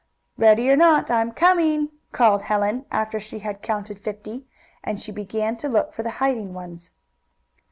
"Ready or not, I'm coming!" called Helen, after she had counted fifty, and she began to look for the hiding ones.